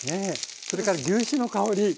それから牛脂の香り。